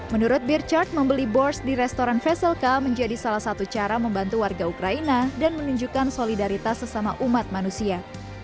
menurut birchard membeli bors di restoran veselka menjadi salah satu cara membantu warga ukraina dan menunjukkan solidaritas sesama umat manusia